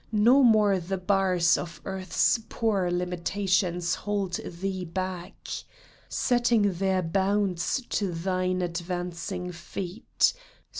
No more the bars Of earth's poor limitations hold thee back, Setting their bounds to thine advancing feet.